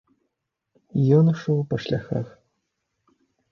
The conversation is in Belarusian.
Ён ішоў па шляхах.